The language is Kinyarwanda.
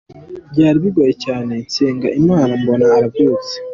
Byari bigoye cyane, nsenga Imana mbona arabyutse.